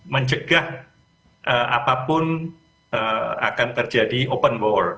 menjegah apapun akan terjadi open war